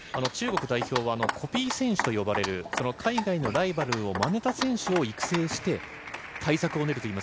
中国代表はコピー選手と呼ばれる海外のライバルをまねた選手を育成して対策を練るという。